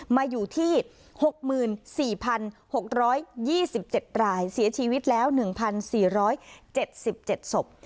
มาอยู่ที่๖๔๖๒๗รายเสียชีวิตแล้ว๑๔๗๗ศพ